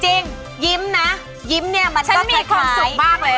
จริงยิ้มนะยิ้มเนี่ยมันก็คล้าย